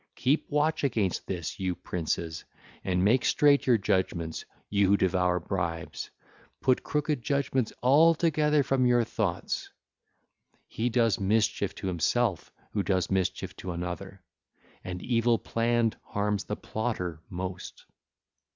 Keep watch against this, you princes, and make straight your judgements, you who devour bribes; put crooked judgements altogether from your thoughts. (ll. 265 266) He does mischief to himself who does mischief to another, and evil planned harms the plotter most.